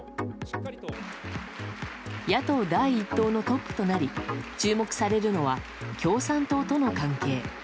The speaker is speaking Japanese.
野党第１党のトップとなり注目されるのは共産党との関係。